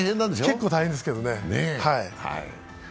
結構大変ですけどね。